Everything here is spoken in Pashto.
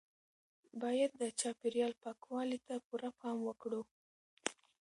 باید د چاپیریال پاکوالي ته پوره پام وکړو.